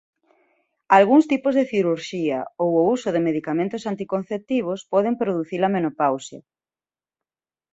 Algúns tipos de cirurxía ou o uso de medicamentos anticonceptivos poden producir a menopausa.